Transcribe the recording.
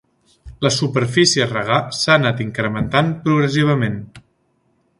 La superfície a regar s'ha anat incrementant progressivament.